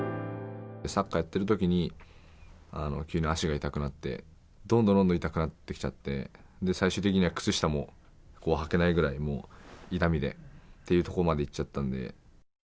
サッカーやってるときに、急に足が痛くなって、どんどんどんどん痛くなってきちゃって、最終的には靴下もはけないぐらい、痛みで、というところまでいっちゃったんで。